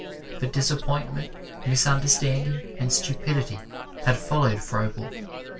But disappointment, misunderstanding and stupidity had followed Froebel.